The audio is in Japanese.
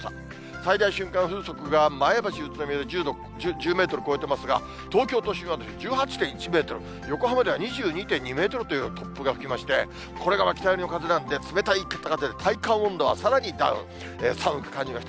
最大瞬間風速が前橋、宇都宮で１０メートル超えてますが、東京都心は１８．１メートル、横浜では２２．２メートルという突風が吹きまして、これが北寄りの風なんで、冷たい北風で、体感温度はさらにダウン。寒く感じました。